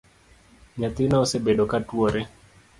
Nyathina osebedo ka tuore